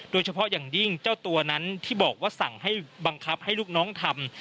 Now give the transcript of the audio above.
โดยเฉพาะอย่างยิ่งเจ้าตัวนั้นที่บอกว่าสั่งให้บังคับให้ลูกน้องทำ